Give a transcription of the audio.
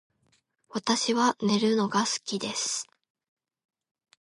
私は寝るのが好きです